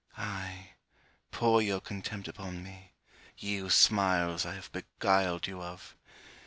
Ay, pour your contempt upon me, ye whose smiles I have beguiled you of!